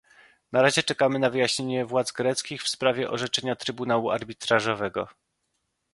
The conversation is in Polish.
Na razie czekamy na wyjaśnienia władz greckich w sprawie orzeczenia Trybunału Arbitrażowego